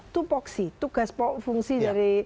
tupoksi tugas fungsi dari